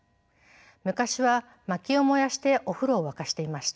昔はまきを燃やしてお風呂を沸かしていました。